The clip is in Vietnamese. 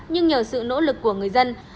nhưng nhờ sự nỗ lực của người dân